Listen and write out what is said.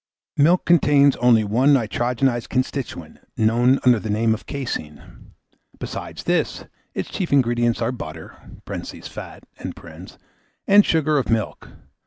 Milk contains only one nitrogenised constituent, known under the name of caseine; besides this, its chief ingredients are butter (fat), and sugar of milk.